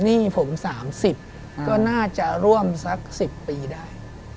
หนี้ผม๓๐ก็น่าจะร่วมสัก๑๐ปีได้